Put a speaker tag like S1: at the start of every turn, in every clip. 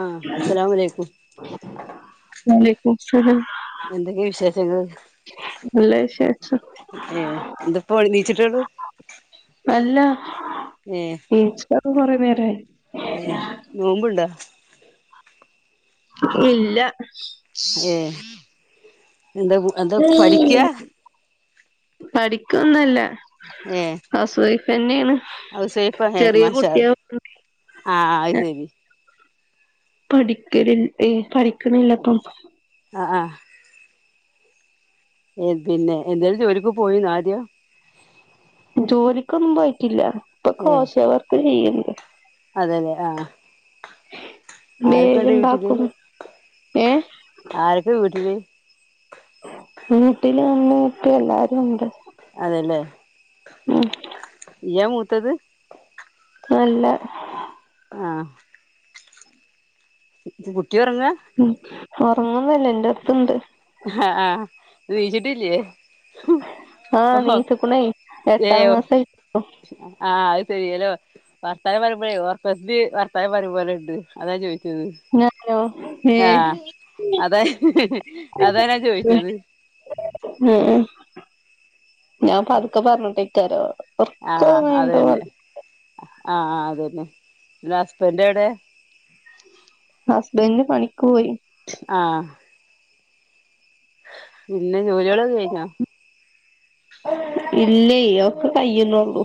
S1: ആഹ് അസ്സലാംവാലൈക്കും
S2: വാലൈകുംഅസ്സലാം
S1: എന്തൊക്കെ വിശേഷങ്ങള്
S2: നല്ല വിശേഷം
S1: ഏഹ് എന്താപ്പോ എനീച്ച്ട്ടോള്ളൂ
S2: അല്ലാ എനീച്ച്ട്ടോക്കേ കുറെ നേരായി
S1: നോമ്പ്ണ്ടാ
S2: ഇല്ലാ
S1: ഏഹ് എന്താ കുട്ടാ എന്താ പഠിക്ക്യാ
S2: പഠിക്കോന്നല്ലാ
S1: ഏഹ്
S2: ഹൗസ് വൈഫന്നെയാണ്
S1: ഹൗസ് വൈഫാ ഏഹ്
S2: ചെറിയ
S1: മാഷാ
S2: കുട്ടികൾ
S1: അല്ലാഹ് ആഹ് അയ് സെരി
S2: പഠിക്കല് ഏഹ് പഠിക്കണില്ലിപ്പം
S1: ആഹ് ആഹ് ഏഹ് പിന്നെ എന്തെലും ജോലിക്ക് പോയിന്നോ ആദ്യം
S2: ജോലിക്കൊന്നും പോയിട്ടില്ല ഇപ്പൊ കോശ്യോവർക്ക് ചെയ്യല്
S1: അതെല്ലെ ആഹ്
S2: ബേഗ്
S1: ആരൊക്കെയുണ്ട് വീട്ടില്
S2: ഇണ്ടാക്കും ഏഹ്
S1: ആരൊക്കെ വീട്ടില്
S2: വീട്ടില് ഇമ്മീ ഇപ്പീ എല്ലാരും ഇണ്ട്
S1: അതെല്ലേ
S2: ഉം
S1: നീയാ മൂത്തത്
S2: അല്ലാ
S1: ആഹ് കുട്ടി ഒറങ്ങാ
S2: ഉം ഒറങ്ങുവന്നോല്ല എന്റെടുത്തുണ്ട്
S1: ഹാ ആഹ് എണീച്ചിട്ടില്ലേ
S2: ആഹ് എണീച്ചുക്കുണെയ് എട്ടാ മാസായി
S1: അ ആഹ് സെരിലോ വർത്താന പറയ്മ്പളെർക്കത്തി വർത്താനം പറയ്പോലെ ഇണ്ട് അതാഞാ ചോയ്ച്ചത്
S2: ഞാനോ ഏ
S1: ആഅതാഹ് ഹ് ഹ് അതാ ഞാൻ ചോയ്ച്ചത്
S2: ഉം ഉം ഞാൻ പത്ക്കെ പറഞ്ഞ്ട്ടയ്ക്കാരോ
S1: ആ അതന്നെ ആ അതന്നെ ന്നിട്ട് ഹസ്ബന്റെ വടെ
S2: ഹസ്ബൻന്റ് പണിക്ക് പോയി
S1: ആഹ് പിന്നെ ജോലികളൊക്കെ കയ്ഞ്ഞോ
S2: ഇല്ലെയ് അയൊക്കെ കയ്യുന്നുള്ളു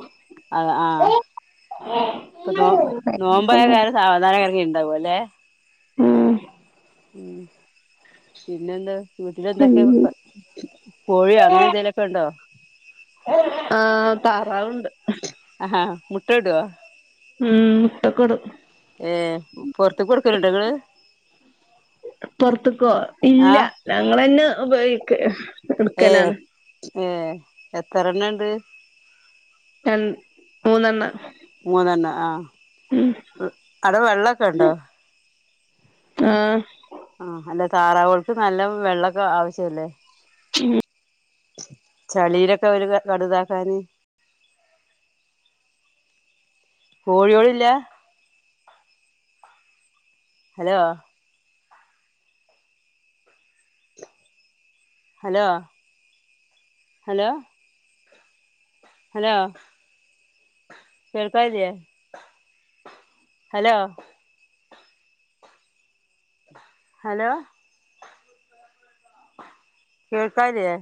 S1: അ ആ ഇപ്പൊ നോ നോമ്പായ [unintelligible] സാവധാന കറി ഉണ്ടാവുംല്ലെ
S2: ഉം
S1: ഉം പിന്നെന്താ വീട്ടില് എന്തൊക്കെ പ കോഴി അങ്ങനെ എന്തേലുക്കെ ഉണ്ടോ
S2: ആ താറാവ്ണ്ട്
S1: അഹ ഹാ മുട്ടട്വോ
S2: ഉഉം മുട്ടക്ക്ടും
S1: ഏഹ് പൊറത്ത് കൊടുക്കലുണ്ടങ്ങള്
S2: പൊറുത്ത്ക്കോ ഇല്ല
S1: ആഹ്
S2: ഞങ്ങളന്നെ ഉപയോഗിക്ക
S1: ഏമ്
S2: എടുക്കലാണ്
S1: ഏ എത്രണ്ണണ്ട്?
S2: രണ് മൂന്നെണ്ണ
S1: മൂന്നെണ്ണ ആ അടെ വെള്ളൊക്കെണ്ടോ?
S2: ഉഉം
S1: ആ അല്ല താറാവാൾക്ക് നല്ല വെള്ളൊക്കെ ആവശ്യല്ലേ
S2: ഉം
S1: ചളീലൊക്കെ ഒരുക കടുതാക്കാന് കോഴ്യോളില്ല? ഹലോ ഹലോ.. ഹലൊ ഹലോ.. കേൾക്കാനില്ലേ ഹലോ ഹലോ കേൾക്കാനില്ലേ